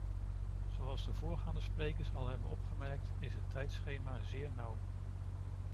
Zoals de voorgaande sprekers al hebben opgemerkt is het tijdschema zeer nauw.